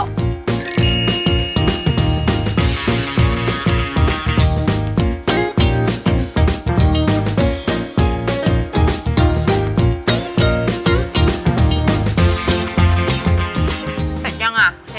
เสร็จยังอ่ะ